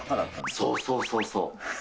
そうそうそうそう。